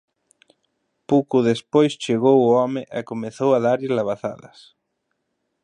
Puco despois chegou o home e comezou a darlle labazadas.